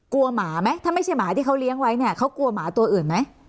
หมาไหมถ้าไม่ใช่หมาที่เขาเลี้ยงไว้เนี่ยเขากลัวหมาตัวอื่นไหม